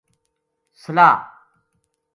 صلاح “